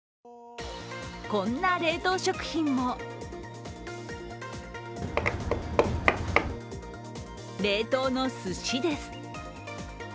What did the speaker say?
こんな冷凍食品も冷凍のすしです。